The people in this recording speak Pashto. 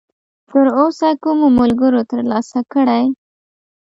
تراوسه کومو ملګرو ترلاسه کړی!؟